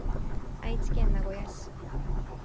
愛知県名古屋市